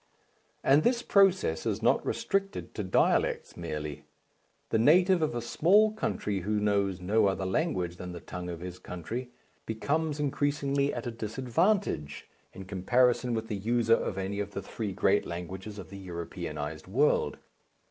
And this process is not restricted to dialects merely. The native of a small country who knows no other language than the tongue of his country becomes increasingly at a disadvantage in comparison with the user of any of the three great languages of the Europeanized world.